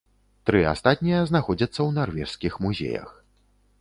Тры астатнія знаходзяцца ў нарвежскіх музеях.